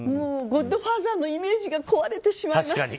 「ゴッドファーザー」のイメージが壊れてしまいます。